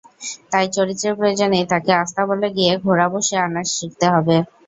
তাই চরিত্রের প্রয়োজনেই তাঁকে আস্তাবলে গিয়ে ঘোড়া বশে আনা শিখতে হবে।